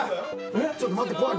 ちょっと待って怖い。